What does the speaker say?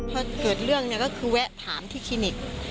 พอเกิดเรื่องเนี่ยก็คือแวะถามที่คลินิก